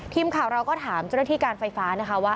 ทีมข่าวเราก็ถามเจ้าหน้าที่การไฟฟ้านะคะว่า